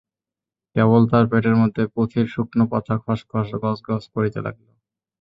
কেবল তার পেটের মধ্যে পুঁথির শুকনো পাতা খসখস গজগজ করিতে লাগিল।